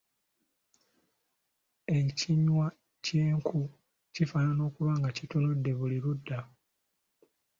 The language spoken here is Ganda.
Ekinywa ky’enku kifaanana okuba nga kitunudde buli ludda.